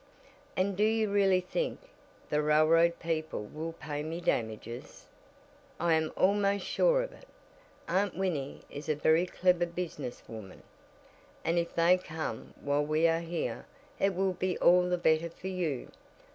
"And do you really think the railroad people will pay me damages?" "I am almost sure of it. Aunt Winnie is a very clever business woman, and if they come while we are here it will be all the better for you.